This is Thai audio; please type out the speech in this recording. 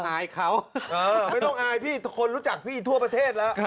อายเขาไม่ต้องอายพี่คนรู้จักพี่ทั่วประเทศแล้ว